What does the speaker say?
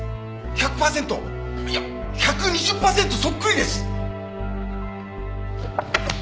１００パーセントいや１２０パーセントそっくりです！